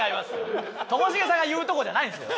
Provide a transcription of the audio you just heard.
ともしげさんが言うとこじゃないんですよ。